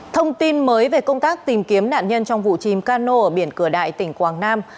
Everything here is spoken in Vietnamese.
thông tin mới về công tác tìm kiếm nạn nhân trong vụ chìm cano ở biển cửa đại tỉnh quảng nam